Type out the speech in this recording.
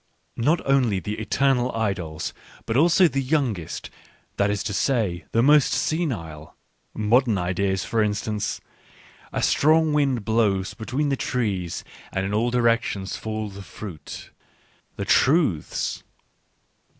Not only the eternal idols, but also the youngest — that is to say, the most senile : modern ideas, for instance. A strong wind blows between the trees and in all directions fall the fruit — the truths.